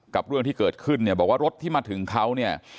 เรื่องที่เกิดขึ้นเนี่ยบอกว่ารถที่มาถึงเขาเนี่ย